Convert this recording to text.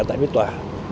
ở tại biên tòa